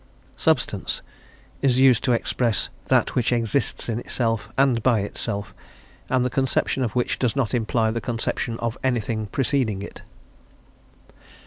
Substance is used to express that which exists in itself and by itself, and the conception of which does not imply the conception of anything preceding it.